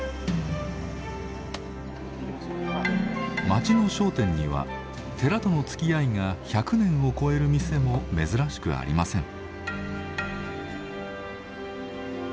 町の商店には寺とのつきあいが１００年を超える店も珍しくありません。